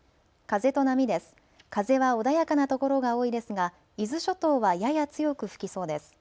風は穏やかな所が多いですが伊豆諸島はやや強く吹きそうです。